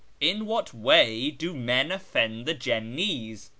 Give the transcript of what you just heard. " In what wav do men offend the Jinnis ?